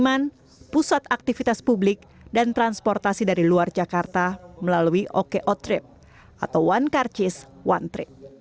pembangunan transportasi umum pusat aktivitas publik dan transportasi dari luar jakarta melalui oko trip atau one car chase one trip